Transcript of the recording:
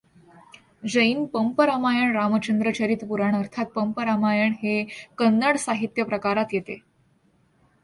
जैन पंप रामायण रामचंद्र चरित पुराण अर्थात पंप रामायण हे कन्नड साहित्यप्रकारात येते.